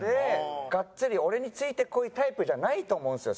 がっつり俺についてこいタイプじゃないと思うんですよ